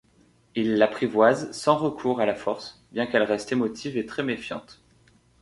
Il l'apprivoise sans recours à la force, bien qu'elle reste émotive et très méfiante.